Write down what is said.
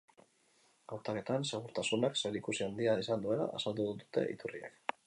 Hautaketan segurtasunak zerikusi handia izan duela azaldu dute iturriek.